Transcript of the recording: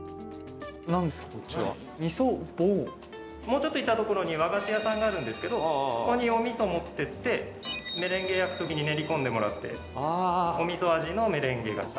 もうちょっと行った所に和菓子屋さんがあるんですけどそこにお味噌持っていってメレンゲ焼く時に練り込んでもらってお味噌味のメレンゲ菓子。